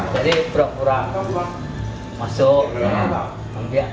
jadi berpura pura masuk ya